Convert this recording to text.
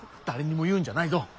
誰にも言うんじゃないぞ。